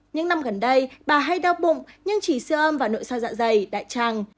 những năm gần đây bà hay đau bụng nhưng chỉ siêu âm và nội xoát dạ dày đại trang